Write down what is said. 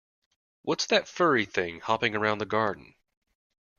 What's that furry thing hopping around the garden?